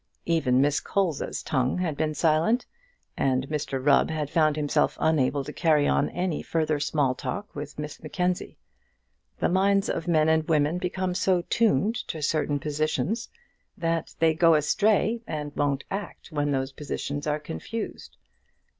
Even Miss Colza's tongue had been silent, and Mr Rubb had found himself unable to carry on any further small talk with Miss Mackenzie. The minds of men and women become so tuned to certain positions, that they go astray and won't act when those positions are confused.